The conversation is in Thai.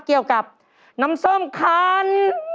เกี่ยวกับน้ำส้มคัน